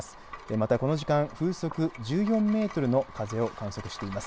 またこの時間風速１４メートルの風を観測しています。